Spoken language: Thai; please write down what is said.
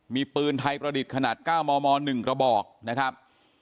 มีปืนไทยประดิษฐ์ขนาด๙มม๑กระบอกนะครับ